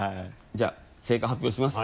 じゃあ正解発表します。